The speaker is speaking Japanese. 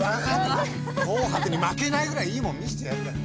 紅白に負けないくらいいいもん見せてやるから。